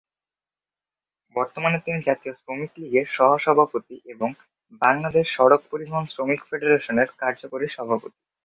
বর্তমানে তিনি জাতীয় শ্রমিক লীগের সহ-সভাপতি এবং "বাংলাদেশ সড়ক পরিবহন শ্রমিক ফেডারেশনের" কার্যকরী সভাপতি।